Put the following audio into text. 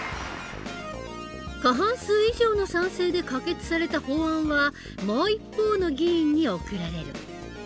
過半数以上の賛成で可決された法案はもう一方の議員に送られる。